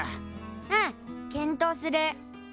うん検討する。